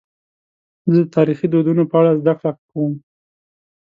زه د تاریخي دودونو په اړه زدهکړه کوم.